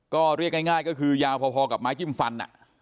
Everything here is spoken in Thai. ก็เรียกง่ายก็คือยาวพอกับไม้จิ้มฟัน